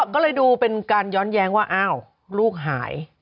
ก็เลยดูเป็นการย้อนแย้งว่าอ้าวลูกหาย